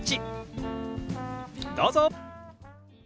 どうぞ！